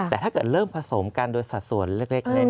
แต่ถ้าเกิดเริ่มผสมกันโดยสัดส่วนเล็ก